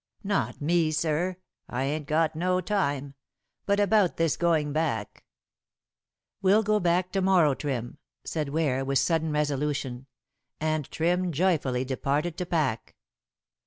"Not me, sir; I ain't got no time. But about this going back " "We'll go back to morrow, Trim," said Ware, with sudden resolution. And Trim joyfully departed to pack.